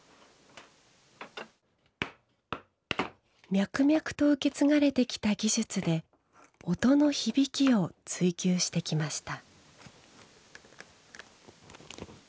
脈々と受け継がれてきた技術で音の響きを追究してきました。